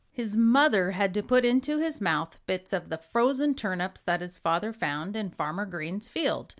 His mother had to put into his mouth bits of the frozen turnips that his father found in Farmer Green's field.